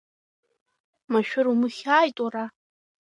Машәыр умыхьааит, уара!